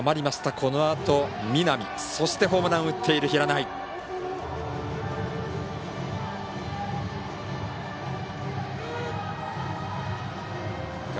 このあと、南そしてホームランを打っている平内。